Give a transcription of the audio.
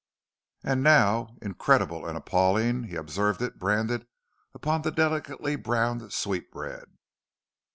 And now—incredible and appalling—he observed it branded upon the delicately browned sweetbread!